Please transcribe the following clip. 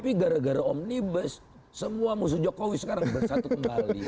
tapi gara gara omnibus semua musuh jokowi sekarang bersatu kembali